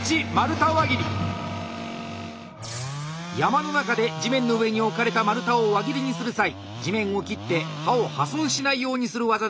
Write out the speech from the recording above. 山の中で地面の上に置かれた丸太を輪切りにする際地面を切って刃を破損しないようにする技であります。